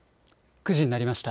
９時になりました。